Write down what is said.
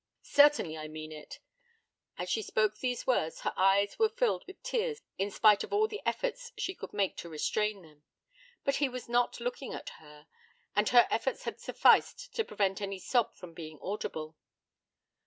'Certainly I mean it.' As she spoke these words her eyes were filled with tears in spite of all the efforts she could make to restrain them; but he was not looking at her, and her efforts had sufficed to prevent any sob from being audible.